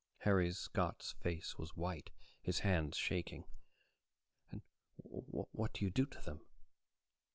Harry Scott's face was white, his hands shaking. "And what do you do to them?"